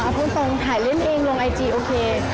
พูดตรงถ่ายเล่นเองลงไอจีโอเค